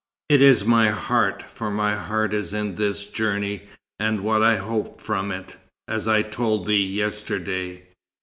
It is my heart, for my heart is in this journey and what I hope from it, as I told thee yesterday.